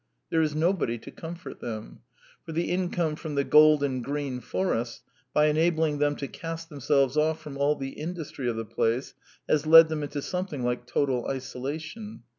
There is nobody to comfort them; for the income from the gold and green forests, by enabling them to cut themselves off from all the industry of the place, has led them into something like total iso lation.